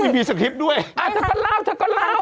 มีสคริปต์ด้วยอ่าเธอก็เล่าเธอก็เล่า